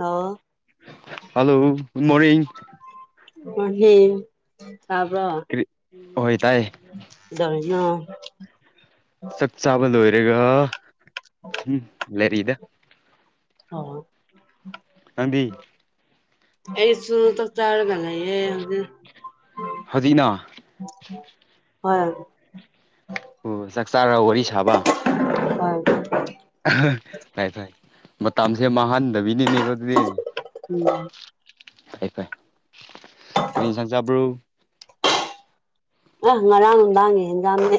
ꯑꯣ hello good morning good morning ꯇꯥꯕ꯭ꯔꯣ ꯍꯣꯏ ꯇꯥꯏꯌꯦ ꯀꯩꯗꯧꯔꯤꯅꯣ ꯆꯛ ꯆꯥꯕ ꯂꯣꯏꯔꯦꯒ ꯁꯨꯝ ꯂꯩꯔꯤꯗ ꯑꯣ ꯅꯪꯗꯤ ꯑꯩꯁꯨ ꯆꯥꯛ ꯆꯔꯒꯥ ꯂꯩꯌꯦ ꯍꯧꯖꯤꯛ ꯍꯧꯖꯤꯛꯅ ꯍꯣꯏ ꯑꯣ ꯆꯥꯛ ꯆꯥꯔ ꯋꯥꯔꯤ ꯁꯥꯕ ꯍꯣꯏ ꯑꯍꯥ ꯊꯥꯏ ꯊꯥꯏ ꯃꯇꯝꯁꯦ ꯃꯥꯡꯍꯟꯗꯕꯤꯅꯤꯅꯦꯀꯣ ꯑꯗꯨꯗꯤ ꯎꯝ ꯐꯩ ꯐꯩ ꯀꯔꯤ ꯌꯦꯟꯁꯥꯡ ꯆꯥꯕ꯭ꯔꯣ ꯑꯥ ꯉꯔꯥꯡ ꯅꯨꯡꯗꯥꯡꯒꯤ ꯑꯦꯟꯖꯥꯡꯅꯦ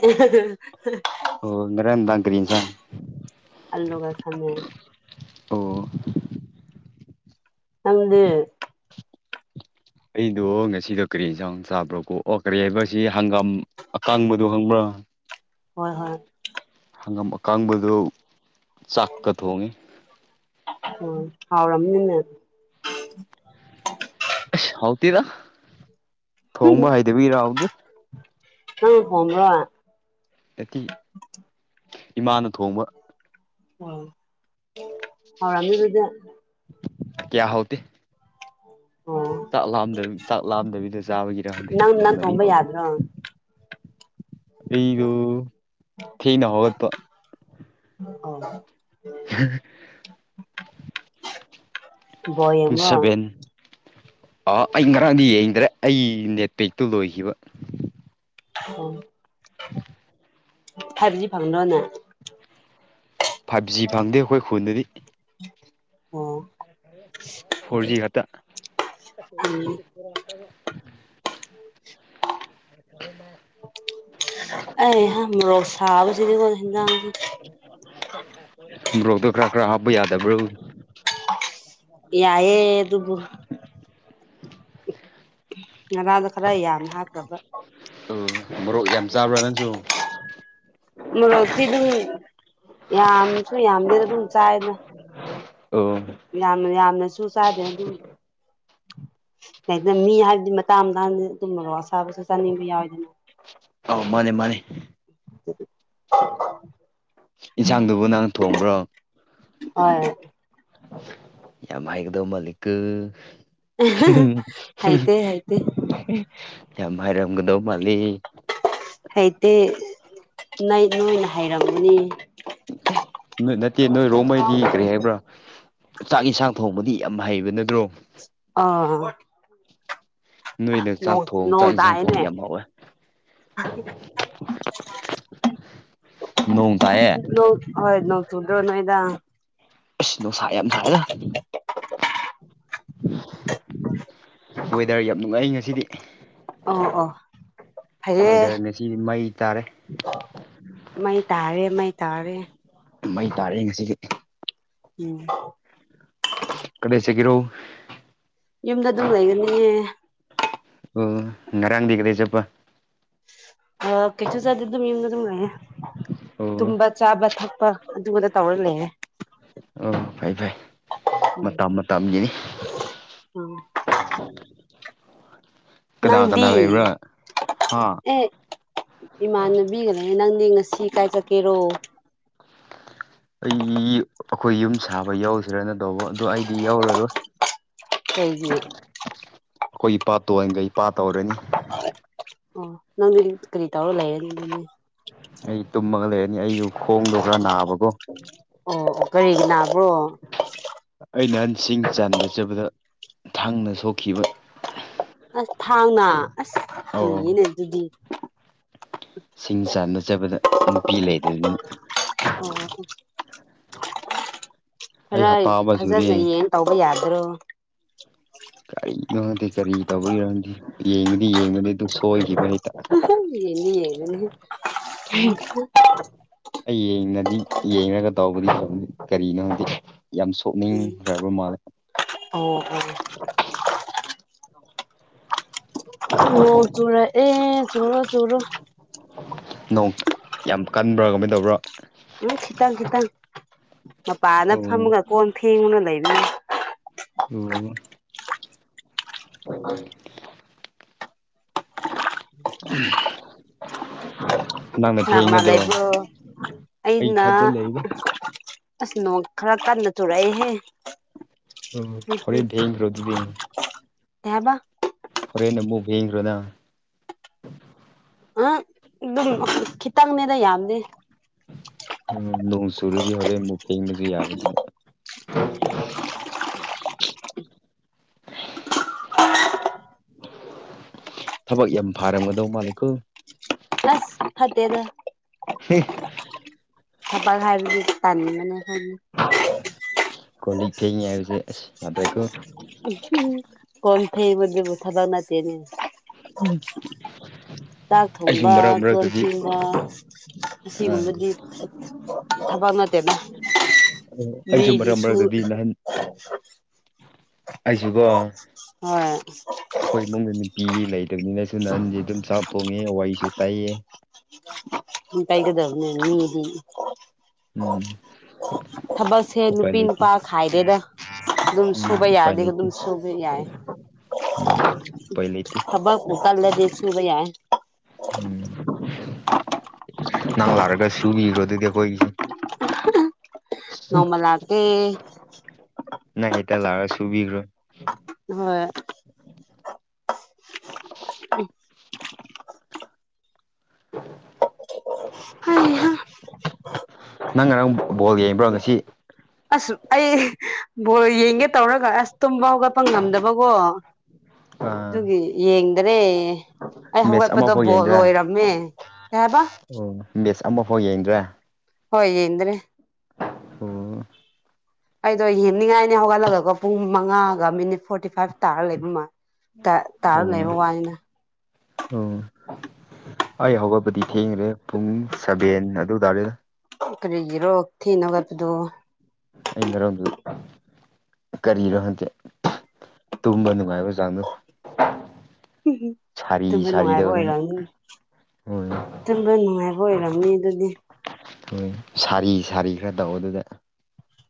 ꯑꯣ ꯉꯔꯥꯡ ꯅꯨꯡꯗꯥꯡ ꯀꯔꯤ ꯏꯟꯁꯥꯡ [unintelligible] ꯑꯜꯂꯨꯒ ꯈꯝꯃꯦꯟ ꯑꯣ ꯅꯪꯗꯤ ꯑꯩꯗꯣ ꯉꯁꯤꯗꯣ ꯀꯔꯤ ꯌꯦꯟꯁꯥꯡ ꯆꯥꯕ꯭ꯔꯣꯀꯣ ꯑꯣ ꯀꯔꯤ ꯍꯥꯏꯕ ꯑꯁꯤ ꯍꯪꯒꯥꯝ ꯑꯀꯥꯡꯕꯗꯣ ꯈꯪꯕ꯭ꯔꯥ ꯍꯣꯏ ꯍꯣꯏ ꯍꯪꯉꯝ ꯑꯀꯪꯕꯗꯨ ꯆꯥꯛꯀ ꯊꯣꯡꯉꯤ ꯎꯪ ꯍꯥꯎꯔꯝꯅꯤꯅ ꯑꯁ ꯍꯥꯎꯇꯤꯔ ꯊꯣꯡꯕ ꯍꯩꯗꯕꯤꯔ ꯍꯥꯎꯇꯦ ꯅꯪ ꯊꯣꯡꯕ꯭ꯔꯥ ꯑꯦꯠꯇꯤ ꯏꯃꯥꯅ ꯊꯣꯡꯕ ꯑꯣ ꯍꯥꯎꯔꯝꯃꯤꯗꯨꯗꯤ ꯀ꯭ꯌꯥ ꯍꯥꯎꯇꯦ ꯎꯝ ꯆꯥꯛ ꯂꯥꯝꯗ ꯆꯥꯛ ꯂꯥꯝꯗꯕꯤꯗ ꯆꯥꯕꯒꯤꯔ ꯈꯪꯗꯦ ꯅꯪ ꯅꯪ ꯌꯥꯝꯅꯗꯤ ꯊꯣꯡꯕ ꯍꯥꯎꯇꯦ ꯌꯥꯗ꯭ꯔꯣ ꯑꯩꯗꯨ ꯊꯦꯡꯅ ꯍꯧꯒꯠꯄ ꯑꯥ ꯕꯣꯜ ꯄꯨꯡ ꯌꯦꯡꯕ꯭ꯔꯥ ꯁꯚꯦꯟ ꯑꯥ ꯑꯩ ꯉꯔꯥꯡꯗꯤ ꯌꯦꯡꯗ꯭ꯔꯦ ꯑꯩ ꯅꯦꯠꯄꯦꯛꯇꯨ ꯂꯣꯏꯈꯤꯕ ꯑꯣ ꯐꯕꯗꯤ ꯐꯪꯗ꯭ꯔꯣꯅꯦ ꯐꯥꯏꯚ ꯖꯤ ꯐꯪꯗꯦ ꯑꯩꯈꯣꯏ ꯈꯨꯟꯗꯗꯤ ꯑꯣ ꯐꯣꯔꯖꯤ ꯈꯇ ꯎꯝ ꯑꯅ ꯑꯩꯍꯥ ꯃꯔꯣꯛ ꯁꯥꯥꯕꯁꯤꯗꯤꯅꯦ ꯍꯦꯟꯖꯥꯡ ꯕ꯭ꯔꯣꯛꯇꯣ ꯈꯔ ꯈꯔ ꯍꯥꯞꯄ ꯌꯥꯗꯕ꯭ꯔꯣ ꯌꯥꯌꯦ ꯑꯗꯨꯕꯨ ꯉꯔꯥꯗꯣ ꯈꯔ ꯌꯥꯝꯅ ꯍꯥꯞꯈ꯭ꯔꯕ ꯎ ꯃꯣꯔꯣꯛ ꯌꯥꯝ ꯆꯥꯕ꯭ꯔꯥ ꯅꯪꯁꯨ ꯃꯣꯔꯣꯛꯇꯤ ꯗꯨꯝ ꯌꯥꯝꯁꯨ ꯌꯥꯝꯗꯦꯅ ꯑꯗꯨꯝ ꯆꯥꯏꯗ ꯑꯣ ꯌꯥꯝꯅ ꯌꯥꯝꯅꯁꯨ ꯆꯥꯗꯦ ꯑꯗꯨꯝ ꯍꯦꯛꯇ ꯃꯤ ꯍꯥꯏꯕꯗꯤ ꯃꯇꯥꯡ ꯃꯇꯥꯡ ꯑꯗꯨꯨꯝ ꯃꯣꯔꯣ ꯑꯁꯥꯕꯁꯨ ꯆꯥꯅꯤꯡꯕ ꯌꯥꯎꯋꯤꯗꯅ ꯑꯥꯎ ꯃꯥꯅꯦ ꯃꯥꯅꯦ ꯏꯟꯁꯥꯡꯗꯨꯕꯨ ꯅꯪ ꯊꯣꯡꯕ꯭ꯔꯣ ꯍꯣꯢ ꯌꯥꯝ ꯍꯩꯒꯗꯧ ꯃꯥꯜꯂꯤꯀꯣ ꯍꯩꯇꯦ ꯍꯩꯇꯦ ꯌꯥꯝ ꯍꯥꯏꯔꯝꯒꯗꯧ ꯃꯥꯜꯂꯤ ꯍꯩꯇꯦ ꯅꯥꯏ ꯅꯣꯏꯅ ꯍꯩꯔꯝꯃꯅꯤ ꯅꯣꯏ ꯅꯠꯇꯦ ꯅꯣꯏ ꯔꯣꯃꯩꯒꯤ ꯀꯔꯤ ꯍꯥꯏꯕ꯭ꯔꯥ ꯆꯥꯛ ꯌꯦꯟꯁꯥꯡ ꯊꯣꯡꯕꯗꯤ ꯌꯥꯝ ꯍꯩꯕ ꯅꯠꯇ꯭ꯔꯣ ꯑꯥ ꯑ ꯅꯣꯏꯅ ꯅꯣ ꯆꯥꯛ ꯊꯣꯡ ꯅꯣꯡ ꯆꯥꯛ ꯏꯟꯁꯥꯡ ꯊꯣꯡ ꯇꯥꯏꯅꯦ ꯌꯥꯝ ꯍꯥꯎꯋꯦ [unintelligible] ꯅꯣꯡ ꯇꯥꯏꯌꯦ ꯅꯣꯟ ꯍꯣꯏ ꯅꯣꯡ ꯆꯨꯗ꯭ꯔꯣ ꯅꯣꯏꯗ ꯑꯩꯁ ꯅꯨꯡꯁꯥ ꯌꯥꯝ ꯁꯥꯥꯏꯗ [unintelligible] ꯋꯦꯗꯔ ꯌꯥꯝ ꯅꯨꯡꯉꯥꯏ ꯉꯁꯤꯗꯤ ꯑꯣ ꯑꯣ ꯐꯩꯌꯦ ꯋꯦꯗꯔ ꯉꯁꯤꯗꯤ ꯃꯩ ꯇꯥꯔꯦ ꯃꯩ ꯇꯥꯔꯦ ꯃꯩ ꯇꯥꯔꯦ ꯃꯩ ꯇꯥꯔꯦ ꯉꯁꯤꯗꯤ ꯎꯝ ꯀꯗꯁ ꯁꯦꯒꯤꯔꯣ ꯌꯨꯝꯗ ꯑꯗꯨꯝ ꯂꯩꯒꯅꯤꯌꯦ ꯑꯣ ꯉꯔꯥꯡꯗꯤ ꯀꯗꯩ ꯆꯠꯄ ꯑ ꯀꯩꯁꯨ ꯆꯥꯗꯦ ꯑꯗꯨꯝ ꯌꯨꯝꯗ ꯑꯗꯨꯝ ꯉꯥꯏꯌꯦ ꯑꯣ ꯇꯨꯝꯕ ꯆꯥꯕ ꯊꯛꯄ ꯑꯗꯨꯗ ꯇꯧꯔ ꯂꯩꯔꯦ ꯑꯣ ꯐꯩ ꯐꯩ ꯎꯝ ꯃꯇꯝ ꯃꯇꯝꯒꯤꯅꯤ ꯎꯝ ꯀꯅꯥ ꯀꯅꯥ ꯅꯪꯗꯤ ꯂꯩꯕ꯭ꯔꯥ ꯍꯥ ꯑꯦ ꯏꯃꯥꯟꯅꯕꯤꯒꯅꯦ ꯅꯪꯅꯦ ꯉꯁꯤ ꯀꯥꯏ ꯆꯠꯀꯦꯔꯣ ꯑꯩ ꯑꯩꯈꯣꯏ ꯌꯨꯝ ꯁꯥꯕ ꯌꯥꯎꯁ ꯁꯤꯔꯅ ꯇꯧꯕ ꯑꯗꯨꯗꯣ ꯑꯩꯗꯤ ꯌꯥꯎꯔꯔꯣꯏ ꯀꯩꯒꯤ ꯑꯩꯈꯣꯏ ꯏꯄꯥ ꯇꯣꯑꯦꯟꯒꯩ ꯏꯄꯥ ꯇꯧꯔꯅꯤ ꯑꯣ ꯅꯪꯗꯤ ꯀꯔꯤ ꯇꯧꯔꯒ ꯂꯩꯔꯦꯅꯤ ꯑꯗꯨꯗꯤ ꯑꯩ ꯇꯨꯝꯃꯒ ꯂꯩꯔꯅꯤ ꯑꯩꯖꯨ ꯈꯣꯡꯗꯣ ꯈ꯭ꯔꯥ ꯅꯥꯕꯀꯣ ꯑꯣ ꯑꯣ ꯀꯔꯤꯒꯤ ꯅꯥꯕ꯭ꯔꯣ ꯑꯩ ꯅꯍꯥꯟꯁꯤꯡ ꯆꯥꯟꯕ ꯆꯠꯕꯗ ꯊꯥꯡꯅ ꯁꯣꯛꯈꯤꯕ ꯑꯁ ꯊꯥꯡꯅ ꯑꯁ ꯑꯧ ꯀꯤꯌꯦꯅꯦ ꯑꯗꯨꯗꯤ ꯁꯤꯡ ꯆꯥꯅ ꯆꯕꯗ ꯅꯨꯄꯤ ꯂꯩꯗꯕꯅꯤꯅ ꯑꯣ ꯑꯩ ꯈꯔ ꯍꯞꯇꯥ ꯑꯃ ꯁꯨꯔꯦ ꯐꯖꯅꯌꯦꯡ ꯇꯧꯕ ꯌꯥꯗꯔꯣ ꯀꯔꯤꯅꯣꯈꯥꯗꯦ ꯀꯔꯤ ꯇꯧꯕꯒꯤꯔꯈꯪꯗꯦ ꯌꯦꯡꯕꯗꯤ ꯌꯦꯡꯕꯅꯤ ꯑꯗꯨ ꯁꯣꯏꯒꯤꯕ ꯍꯦꯛꯇꯥ [unintelligible] ꯑꯩ ꯌꯦꯡꯉꯗꯤ ꯌꯦꯡꯉꯒ ꯇꯧꯕꯗꯤ ꯐꯕꯅꯤ ꯀꯔꯤꯅꯣꯗꯤ ꯌꯥꯝ ꯊꯣꯛꯅꯤꯡ ꯎꯝ ꯗ꯭ꯔꯥꯕꯔ ꯃꯥꯜꯂꯦ ꯑꯣ ꯑꯣ ꯅꯣ ꯆꯨꯔꯥꯛꯑꯦ ꯆꯨꯔꯣ ꯆꯨꯔꯣ ꯅꯣꯡ ꯌꯥꯝ ꯀꯟꯕ꯭ꯔꯥ ꯀꯃꯥꯏ ꯇꯧꯕ꯭ꯔꯥ ꯅꯣꯏ ꯈꯤꯇꯪ ꯈꯤꯇꯪ ꯃꯄꯥꯅ ꯑꯣ ꯐꯝꯃꯒ ꯀꯣꯟ ꯐꯦꯡꯉꯨꯅ ꯂꯩꯕꯅꯤ ꯑꯣ ꯅꯪꯅ ꯀꯅꯥ ꯀꯅꯥ ꯐꯦꯡꯒꯗ꯭ꯔꯣ ꯂꯩꯕ꯭ꯔꯣ ꯑꯩ ꯑꯩꯅ ꯏꯊꯟꯗ ꯂꯩꯗ ꯑꯁ ꯅꯣꯡ ꯈꯔ ꯀꯟꯅ ꯆꯨꯔꯛꯏꯍꯦ ꯑꯣ ꯀꯩ ꯍꯣꯔꯦꯟ ꯐꯦꯡꯈ꯭ꯔꯣ ꯑꯗꯨꯗꯤ ꯍꯥꯏꯕ ꯐꯣꯔꯦꯟꯗꯃꯨꯛ ꯌꯦꯡꯗ꯭ꯔ‌ꯣ ꯅꯪ ꯑ ꯑꯗꯨꯝ ꯈꯤꯇꯪꯅꯦꯗ ꯌꯥꯝꯗꯦ ꯎꯝ ꯅꯣꯡ ꯆꯨꯔꯗꯤ ꯍꯣꯔꯦꯟ ꯃꯨꯛ ꯐꯦꯡꯕꯖꯨ ꯌꯥꯕꯗꯨ ꯎꯝ ꯊꯕꯛ ꯌꯥꯝ ꯐꯥꯔꯝꯒꯗꯧ ꯃꯥꯂꯦꯀꯣ ꯑꯁ ꯐꯠꯇꯦꯗ ꯍꯦ ꯊꯥꯕꯛ ꯍꯥꯏꯕꯗꯤ ꯇꯟꯕꯅꯦ [unintelligible] ꯀ‌ꯣꯜꯂꯤꯛ ꯐꯦꯡꯉꯤ ꯍꯥꯏꯕꯁꯦ ꯑꯁ ꯌꯥꯗ꯭ꯔ‌ꯦꯀꯣ ꯎꯝ ꯍꯨꯝ ꯀꯣꯟ ꯐꯦꯡꯕꯗꯨꯕꯨ ꯊꯕꯛ ꯅꯠꯇꯦꯅꯦ ꯎꯝ ꯆꯥꯛ ꯊꯣꯡꯕ ꯀꯣꯟ ꯐꯦꯡꯕ ꯑꯥ ꯑꯁꯤꯒꯨꯝꯕꯗꯤ ꯊꯕꯛ ꯅꯠꯇꯦꯗ ꯑꯣ [unintelligible] ꯑꯩꯁꯨ ꯃꯤꯗꯤ ꯃꯔꯛ ꯁꯨ ꯃꯔꯛꯇꯗꯤ ꯅꯍꯥꯟ ꯑꯩꯁꯨꯒꯣ ꯍꯣꯏ ꯑꯈꯣꯏ ꯏꯃꯨꯡꯒꯤ [unintelligible] ꯄꯤ ꯂꯩꯇꯕꯅꯤꯅꯁꯨ ꯅꯍꯟ [unintelligible] ꯗꯨꯝ ꯆꯥꯛ ꯊꯣꯡꯉꯦ ꯋꯥꯔꯤꯁꯨ ꯇꯥꯏꯌꯦ꯫ ꯎꯝ ꯇꯩꯒꯗꯝꯅꯦ ꯃꯤꯗꯤ ꯎꯝ ꯊꯕꯛꯁꯦ ꯎꯄꯥꯏ ꯅꯨꯄꯤ ꯂꯩꯇꯦ ꯅꯨꯄꯥ ꯈꯥꯏꯗꯦꯗ ꯗꯨꯝ ꯎꯝ ꯁꯨꯕ ꯎꯄꯥꯏ ꯌꯥꯔꯗꯤ ꯂꯩꯇꯦ ꯑꯗꯨꯝ ꯁꯨꯕ ꯌꯥꯏ ꯎꯄꯥꯏ ꯂꯩꯇꯦ ꯊꯕꯛ ꯄꯨ ꯀꯜꯂꯗꯤ ꯁꯨꯨꯕ ꯌꯥꯏ ꯎꯝ ꯅꯪ ꯂꯥꯛꯔꯒ ꯁꯨꯕꯤꯈ꯭ꯔꯣ ꯑꯗꯨꯗꯤ ꯑꯈꯣꯏꯒꯤꯁꯦ ꯅꯣꯡꯃ ꯂꯥꯛꯀꯦ ꯅꯪ ꯍꯦꯇꯥ ꯂꯥꯛꯔ ꯁꯨꯕꯤꯒ꯭ꯔꯣ꯫ ꯍꯣꯏ ꯎꯝ ꯍꯩ ꯍꯥ ꯅꯪ ꯉꯔꯥꯡ ꯕꯣꯜ ꯌꯦꯡꯕ꯭ꯔꯣ ꯉꯁꯤ ꯑꯁ ꯑꯩ ꯕꯣꯜ ꯌꯦꯡꯒꯦ ꯇꯧꯔꯒ ꯑꯁ ꯇꯨꯝꯕ ꯍꯧꯒꯠꯄ ꯉꯝꯗꯕꯀꯣ꯫ ꯗꯨꯒꯤ ꯌꯦꯡꯗ꯭ꯔꯦ ꯫ ꯑꯩ ꯃꯦꯠꯆ ꯍꯧꯒꯠꯄꯗꯣ ꯑꯃꯐꯥꯎ ꯕ‌ꯣꯜ ꯂꯣꯏꯔꯝꯃꯦ ꯀꯩ ꯍꯥꯏꯕ ꯎꯝ ꯃ‌ꯦꯠꯁ ꯑꯃꯐꯥꯎ ꯌꯦꯡꯗ꯭ꯔꯦ ꯍꯣꯏ ꯌ‌ꯦꯡꯗ꯭ꯔ‌ꯦ ꯫ ꯎ ꯑꯩꯗꯣ ꯌꯦꯡꯅꯤꯡꯉꯥꯏꯅꯤ ꯍꯧꯒꯠꯂꯒꯀꯣ ꯄꯨꯡ ꯃꯉꯥꯒ ꯃꯤꯅꯤꯠ ꯐꯣꯔꯇꯤ ꯐꯥꯏꯚ ꯇꯥꯔ ꯂꯩꯕ ꯃꯥ ꯇ ꯑꯣ ꯇꯥꯔ ꯂꯩꯕ ꯋꯥꯅꯤꯅ ꯫ ꯑꯣ ꯑꯩ ꯍꯧꯒꯠꯄꯗꯤ ꯊꯦꯡꯈꯔꯦ ꯄꯨꯡ ꯁꯚꯦꯟ ꯑꯗꯨ ꯇꯔꯦꯗꯥ ꯫ ꯀꯔꯤꯒꯤꯔꯣ ꯊ‌ꯦꯡꯅꯥ ꯍꯧꯒꯠꯄꯗꯨ? ꯑꯩ ꯉꯔꯥꯡꯗꯨ ꯀꯔꯤꯔ‌ꯣ ꯈꯪꯗ‌ꯦ ꯇꯨꯝꯕ ꯅꯨꯡꯉꯥꯏꯕ ꯆꯥꯡꯗꯨ ꯁꯥꯔꯤ ꯇꯨꯝꯕ ꯅꯨꯡꯉꯥꯏꯕ ꯁꯥꯔꯤꯗꯧꯔꯤꯅꯦ ꯑꯣꯏꯔꯝꯅꯤ ꯍꯣꯏ ꯇꯨꯝꯕ ꯅꯨꯡꯉꯥꯏꯕ ꯑꯣꯏꯔꯝꯅꯤ ꯑꯗꯨꯗꯤ ꯎꯝ ꯁꯥꯔꯤ ꯁꯥꯔꯤ ꯈꯔ ꯇꯧꯕꯗꯨꯗ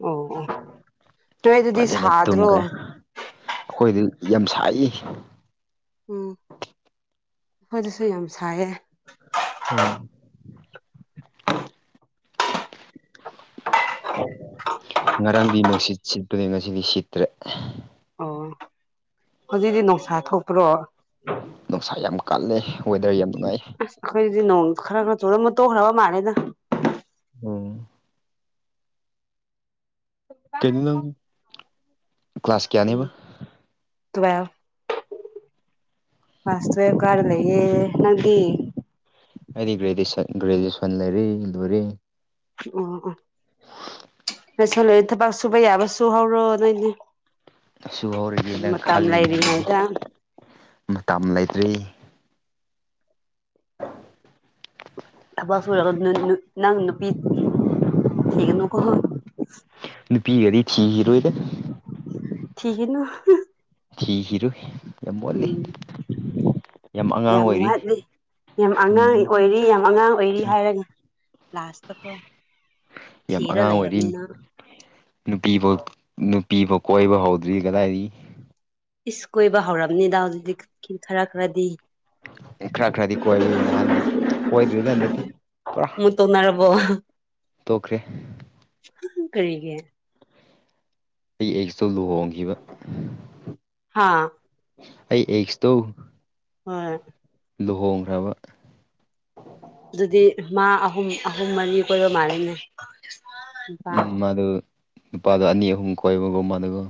ꯑꯣ ꯑꯣ ꯅꯣꯏ ꯑꯗꯨꯗꯤ ꯐꯖꯅ ꯁꯥꯗ꯭ꯔꯣ ꯇꯨꯝꯈ꯭ꯔꯦ ꯑꯩꯈꯣꯏꯗꯤ ꯌꯥꯝ ꯁꯥꯏꯌꯤ ꯎꯝ ꯑꯩꯈꯣꯏꯗꯁꯨ ꯌꯥꯝ ꯁꯥꯏꯌꯦ [inaudible] ꯉꯔꯥꯡꯗꯤ ꯅꯨꯡꯁꯤꯠ ꯁꯤꯠꯄꯅꯦ ꯉꯁꯤꯗꯤ ꯁꯤꯠꯇ꯭ꯔꯦ ꯑꯣ ꯍꯧꯖꯤꯛꯇꯤ ꯅꯨꯡꯁꯥ ꯊꯣꯛꯄꯔꯣ ꯅꯨꯡꯁꯥ ꯌꯥꯝ ꯀꯜꯂꯦ ꯋꯦꯗꯔ ꯌꯥꯝ ꯅꯨꯡꯉꯥꯏ ꯑꯩꯈꯣꯏꯗꯗꯤ ꯅꯣꯡ ꯈꯔ ꯈꯔ ꯆꯨꯔꯝꯃꯥ ꯇꯣꯛꯈ꯭ꯔꯥꯕ ꯃꯥꯜꯂ‌ꯦꯗꯥ ꯎꯝ ꯀꯩꯅ‌ꯣ ꯅꯪ ꯀ꯭ꯂꯥꯁ ꯎꯝ ꯀꯌꯥꯅꯦꯕ [unintelligible] ꯀꯂ꯭ꯥꯁ ꯇꯨꯋꯦꯜꯐ ꯀꯔꯥ ꯂꯩꯌꯦ ꯅꯪꯗꯤ? ꯑꯩꯗꯤ ꯒ꯭ꯔꯦꯗ‌ꯦꯁꯟ ꯒ꯭ꯔꯦꯖꯨꯋ‌ꯦꯁꯟ ꯂꯩꯔꯦ ꯂꯣꯏꯔ‌ꯦ ꯎꯝ ꯎꯝ ꯎꯝ ꯂꯣꯏꯁꯜꯂꯛꯑꯦ ꯊꯕꯛ ꯁꯨꯨꯕ ꯌꯥꯕ ꯁꯨꯍꯧꯔꯣ ꯅꯣꯏꯗꯤ ꯁꯨꯍꯧꯔꯒꯦꯅ ꯃꯇꯝ ꯈꯜꯂꯤꯅꯦ ꯂꯩꯔꯤꯉꯩꯗ ꯃꯇꯝ ꯂꯩꯇ꯭ꯔꯦ ꯊꯕꯛ ꯁꯨꯔꯒ ꯅꯣꯏ ꯅꯣꯏ ꯅꯪ ꯅꯨꯄꯤ ꯊꯤꯒꯅꯨ ꯀ‌ꯣ ꯅꯨꯄꯤꯒꯗꯤ ꯊꯤꯒꯤꯔꯣꯏꯗꯥ ꯊꯤꯈꯤꯅꯨ ꯊꯤꯒꯤꯔꯨꯏ ꯌꯥꯝ ꯋꯥꯠꯂꯤ ꯎꯝ ꯌꯥꯝ ꯑꯉꯥꯡ ꯑꯣꯏꯔꯤ ꯌꯥꯝ ꯑꯉꯥꯡ ꯎꯝ ꯑꯣꯏꯔꯤ ꯌꯥꯝ ꯑꯉꯥꯡ ꯑꯣꯏꯔꯤ ꯍꯥꯏꯔꯒꯥ ꯂꯥꯁꯇꯀꯣ ꯌꯥꯝ ꯊꯤꯔ ꯑꯉꯥꯡ ꯑꯣꯏꯔꯤ ꯂꯩꯔꯕꯅꯤꯅ ꯅꯨꯄꯤꯕꯥꯎ ꯅꯨꯄꯤꯕꯥꯎ ꯀꯣꯏꯕ ꯍꯧꯗ꯭ꯔꯤ ꯀꯗꯥꯏꯗꯒꯤ ꯏꯁ ꯀꯣꯏꯕ ꯍꯧꯔꯝꯅꯤꯗ ꯍꯧꯖꯤꯛꯇꯤ ꯀꯤ ꯈꯔ ꯈꯔꯗꯤ ꯈꯔ ꯈꯔꯗꯤ ꯀꯣꯏꯕꯩ ꯅꯍꯥꯟꯗꯤ ꯀꯣꯏꯗ꯭ꯔꯤꯗ ꯍꯟꯗꯛꯇꯤ ꯄꯨꯔꯥ ꯇꯣꯛꯅꯔꯕꯣ? ꯇꯣꯛꯈ꯭ꯔꯦ ꯀꯔꯤꯒꯤ ꯑꯩ ꯑꯦꯛꯁꯇ‌ꯣ ꯂꯨꯍꯣꯡꯈꯤꯕꯥ ꯍꯥꯥ ꯑꯩ ꯑꯦꯛꯁꯇꯣ ꯍꯣꯏ ꯂꯨꯍꯣꯡꯈ꯭ꯔꯕ ꯑꯗꯨꯗꯤ ꯃꯥ ꯑꯍꯨꯝ ꯑꯍꯨꯝ ꯃꯔꯤ ꯀꯣꯏꯕ ꯃꯥꯜꯂꯦꯅꯦ ꯅꯨꯄꯥ ꯎꯝ ꯃꯥꯗꯣ ꯅꯨꯄꯥꯗꯣ ꯑꯅꯤ ꯑꯍꯨꯝ ꯀꯣꯏꯕꯒꯨꯝ ꯃ ꯑꯗꯨꯒ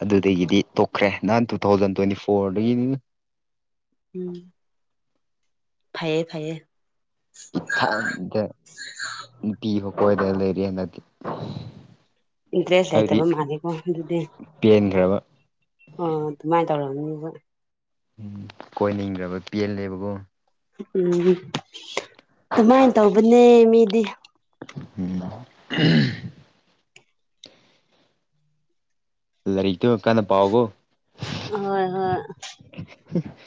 ꯑꯗꯨꯗꯒꯤꯗꯤ ꯇꯣꯛꯈ꯭ꯔꯦ ꯅꯍꯥꯟ ꯇꯨ ꯊꯥꯎꯖꯟ ꯇꯣꯏꯟꯇꯤ ꯐꯣꯔꯗꯒꯤꯅꯤ ꯎꯝ ꯐꯩꯌꯦ ꯐꯩꯌꯦ ꯏꯊꯟꯗ ꯅꯨꯄꯤ ꯑꯝꯐꯥꯎ ꯀꯣꯏꯗ ꯂꯩꯔꯦ ꯍꯟꯗꯛꯇꯤ ꯏꯟꯇ꯭ꯔꯦꯁ ꯂꯩꯇꯕ ꯃꯥꯜꯂꯦꯀꯣ ꯑꯗꯨꯗꯤ ꯄꯦꯟꯒ꯭ꯔꯕ ꯎꯝ ꯑꯗꯨꯃꯥꯏ ꯇꯧꯔꯝꯅꯤꯕ ꯎꯝ ꯀꯣꯏꯅꯤꯡꯗꯕ [unintelligible] ꯎꯝ ꯑꯗꯨꯃꯥꯏ ꯇꯧꯕꯅꯦ ꯃꯤꯗꯤ ꯎꯝ [unintelligible] ꯂꯥꯏꯔꯤꯛꯇꯣ ꯀꯟꯅ ꯄꯥꯎꯒꯣ ꯍꯣꯏ ꯍꯣꯏ [unintelligible]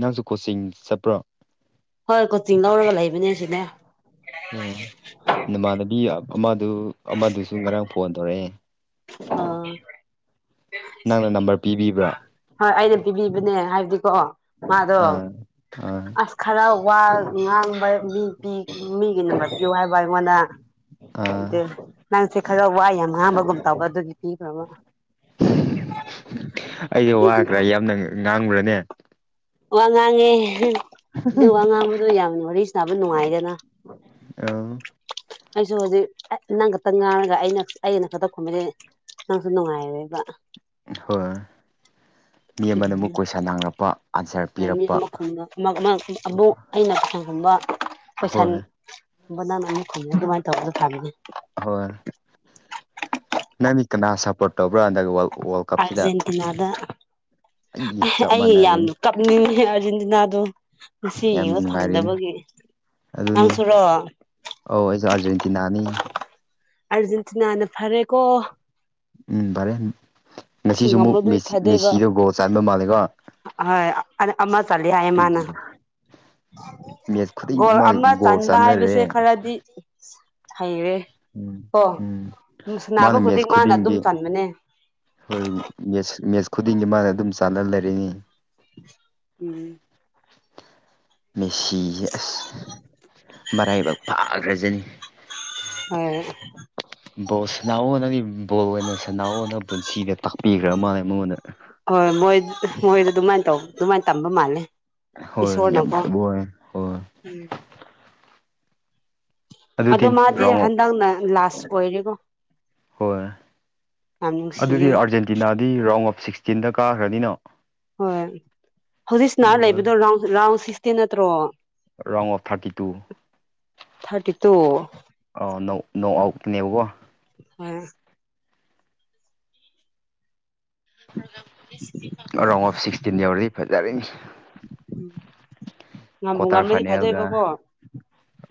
ꯅꯪꯁꯨ ꯀꯣꯆꯤꯡ ꯆꯠꯄ꯭ꯔꯣ ꯍꯣꯏ ꯀꯣꯆꯤꯡ ꯂꯧꯔꯒ ꯂꯩꯕꯅꯦ ꯍꯧꯖꯤꯛꯅ ꯑꯣ ꯅꯃꯥꯟꯅꯕꯤ ꯑꯃꯗꯨ ꯑꯃꯗꯨꯁꯨ ꯉꯔꯥꯡ ꯐꯣꯟ ꯇꯧꯔꯛꯑꯦ ꯑꯥ ꯅꯪꯅ ꯅꯝꯕꯔ ꯄꯤꯕꯤꯕ꯭ꯔꯥ ꯍꯣꯏ ꯑꯩꯅ ꯄꯤꯕꯤꯕꯅꯦ ꯍꯥꯏꯕꯗꯤꯀꯣ ꯃꯥꯗꯣ ꯑꯥ ꯑꯥ ꯑꯁ ꯈꯔ ꯋꯥ ꯉꯥꯡꯕ ꯃꯤ ꯄꯤ ꯃꯤꯒꯤ ꯅꯝꯕꯔ ꯄꯤꯌꯨ ꯍꯥꯏꯕ ꯑꯩꯉꯣꯟꯗ ꯑꯥ ꯑꯗꯨ ꯅꯪꯁꯦ ꯈꯔ ꯋꯥ ꯌꯥꯝ ꯉꯥꯡꯕꯒꯨꯝ ꯇꯧꯕ ꯑꯗꯨꯒꯤ ꯄꯤꯈ꯭ꯔꯣꯕ [unintelligible] ꯑꯩꯖꯦ ꯋꯥꯒ꯭ꯔ ꯌꯥꯝꯅ ꯉꯥꯡꯕ꯭ꯔꯅꯦ ꯋꯥ ꯉꯥꯡꯉꯦ [unintelligible] ꯑꯗꯨ ꯋꯥ ꯉꯥꯡꯕꯗꯣ ꯌꯥꯝꯅ ꯋꯥꯔꯤ ꯁꯥꯟꯅꯕ ꯅꯨꯡꯉꯥꯏꯗꯅ ꯑꯥ ꯑꯩꯁꯨ ꯍꯧꯖꯤꯛ ꯑ ꯅꯪ ꯈꯛꯇ ꯉꯥꯡꯉꯒ ꯑꯩꯅ ꯑꯩꯅ ꯈꯛꯇ ꯈꯨꯝꯃꯗꯤ ꯅꯪꯁꯨ ꯅꯨꯡꯉꯥꯏꯔꯣꯏꯕ ꯍꯣꯏ ꯃꯤ ꯑꯃꯅ ꯑꯃꯨꯛ ꯀꯣꯏꯁꯟ ꯍꯪꯔꯛꯄ ꯑꯟꯁꯔ ꯄꯤꯔꯛꯄ ꯃ ꯃꯒꯤ ꯑꯃꯨꯛ ꯑꯩꯅ ꯍꯪꯍꯟꯕ ꯀꯣꯏꯁꯟ ꯍꯣꯏ [unintelligible] ꯑꯗꯨꯃꯥꯏꯅ ꯇꯧꯕꯗꯣ ꯊꯥ [unintelligible] ꯍꯣꯏ ꯅꯪꯗꯤ ꯀꯅꯥ ꯁꯞꯄꯣꯔꯠ ꯇꯧꯕ꯭ꯔ ꯍꯟꯗꯛ ꯋꯥꯔꯜ ꯋꯥꯔꯜ ꯀꯞꯁꯤꯗ ꯑꯥꯔꯖꯦꯟꯇꯤꯅꯥꯗ ꯑꯩ ꯆꯞ ꯑꯩ ꯌꯥꯝ ꯃꯥꯟꯅꯔꯦꯅꯤ ꯀꯞꯅꯤꯡꯉꯦ ꯑꯔꯖꯦꯟꯇꯤꯅꯥꯗꯣ ꯉꯁꯤ ꯌꯥꯝ ꯌꯦꯡꯕ ꯅꯨꯡꯉꯥꯏꯔꯤꯅꯤ ꯐꯪꯗꯕꯒꯤ ꯑꯗꯨꯅꯤ ꯅꯪꯁꯨꯔꯣ ꯑꯧ ꯑꯩꯁꯨ ꯑꯔꯖꯦꯟꯇꯤꯅꯥꯅꯤ ꯑꯥꯔꯖꯦꯟꯇꯤꯅꯥꯅ ꯐꯔꯦꯀꯣ ꯎꯝ ꯐꯔꯦ ꯑꯁ ꯉꯁꯤꯖꯨ ꯑꯃꯨꯛ ꯉꯝꯃꯗꯤ ꯃꯦꯁꯤ ꯃꯦꯁꯤꯗꯣ ꯒꯣꯜ ꯆꯟꯕ ꯃꯥꯜꯂꯦꯀꯣ ꯍꯣꯏ ꯑ ꯑꯃ ꯆꯜꯂꯤ ꯍꯥꯏꯌꯦ ꯃꯥꯅ ꯑꯩꯒꯤ ꯃꯦꯠꯁ ꯒꯣꯜ ꯈꯨꯗꯤꯡꯃꯛ ꯑꯃ ꯒꯣꯜ ꯆꯟꯕ ꯍꯥꯏꯕꯁꯦ ꯆꯥꯟꯅꯔꯦ ꯈꯔꯗꯤ ꯍꯩꯔꯦ ꯎꯝ ꯀꯣ ꯎꯝ ꯁꯥꯟꯅꯕ ꯃꯥꯅ ꯃꯦꯠꯁ ꯈꯨꯗꯤꯡ ꯃꯥꯅ ꯑꯗꯨꯝ ꯈꯨꯗꯤꯡꯒꯤ ꯆꯟꯕꯅꯦ ꯍꯣꯏ ꯃꯦꯠꯁ ꯃꯦꯠꯁ ꯈꯨꯗꯤꯡꯒꯤ ꯃꯥꯅ ꯑꯗꯨꯝ ꯆꯥꯟꯅ ꯂꯩꯔꯤꯅꯤ ꯎꯝ ꯃꯦꯁꯤꯖꯦ ꯑꯁ ꯃꯔꯥꯏꯕꯛ ꯐꯥꯒ꯭ꯔꯖꯅꯤ ꯍꯣꯏ ꯕꯣꯜ ꯁꯥꯟꯅꯧꯑꯣ ꯅꯪꯗꯤ ꯕꯣꯜ ꯑꯣꯏꯅ ꯁꯥꯟꯅꯧꯑꯣ ꯅ ꯄꯨꯟꯁꯤꯗ ꯇꯥꯛꯄꯤꯒ꯭ꯔ ꯃꯥꯜꯂꯦ ꯃꯉꯣꯟꯗ ꯍꯣꯏ ꯃꯣꯏ ꯃꯣꯏꯗ ꯑꯗꯨꯃꯥꯏ ꯇꯧ ꯑꯗꯨꯃꯥꯏ ꯇꯝꯕ ꯃꯥꯜꯂꯦ ꯍꯣꯏ ꯌꯥꯝꯍꯩꯕ [unintelligible] ꯍꯣꯏ ꯎꯝ ꯑꯗꯣ ꯑꯗꯨꯗꯤ ꯃꯥꯗꯤ ꯔꯥꯎꯟ ꯑꯣꯐ ꯍꯟꯗꯛꯅ ꯂꯥꯁ ꯑꯣꯏꯔꯦꯀꯣ ꯍꯣꯏ ꯌꯥꯝ ꯅꯨꯡꯁꯤꯌꯦ ꯇꯤꯅꯥꯗꯤ ꯔꯥꯎꯟ ꯑꯣꯐ ꯁꯤꯛꯁꯇꯤꯟꯗ ꯀꯥꯒ꯭ꯔꯅꯤꯅꯣ ꯍꯣꯏ ꯍꯧꯖꯤꯛ [unintelligible] ꯂꯩꯕꯗꯣ ꯔꯥꯎꯟ ꯔꯥꯎꯟ ꯁꯤꯛꯁꯇꯤꯟ ꯅꯠꯇ꯭ꯔꯣ round of thirty two thirty two ꯑꯣ ꯅꯣꯛ ꯅꯣꯛ ꯑꯥꯎꯠꯅꯦꯕꯀꯣ ꯍꯣꯏ ꯄ꯭ꯔꯣꯒ꯭ꯔꯥꯝ ꯂꯣꯏꯅ [unintelligible] [unintelligible] ꯑꯣꯐ ꯁꯤꯛꯁꯇꯤꯟ ꯌꯧꯔꯗꯤ ꯐꯖꯔꯅꯤ ꯎꯝ ꯀ꯭ꯋꯥꯇꯔ ꯐꯥꯏꯅꯦꯜꯒ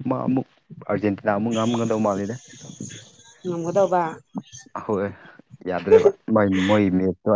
ꯑꯃ ꯑꯃꯨꯛ ꯑꯥꯔꯖꯦꯟꯇꯤꯅꯥ ꯑꯃꯨꯛ ꯉꯝꯒꯗꯧ ꯃꯥꯜꯂꯤꯗ ꯉꯝꯒꯗꯧꯕ ꯍꯣꯏ ꯌꯥꯗ꯭ꯔꯦꯕ ꯃꯣꯏ ꯃꯣꯏ [unintelligible]